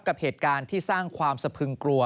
กับเหตุการณ์ที่สร้างความสะพึงกลัว